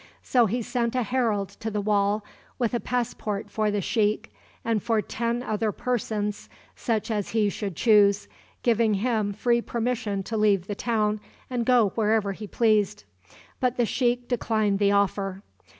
So he sent a herald to the wall with a passport for the sheikh, and for ten other persons such as he should choose, giving him free permission to leave the town and go wherever he pleased. But the sheikh declined the offer.